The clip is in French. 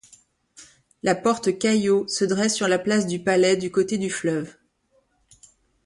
La porte Cailhau se dresse sur la place du Palais du côté du fleuve.